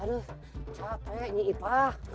aduh capeknya ipah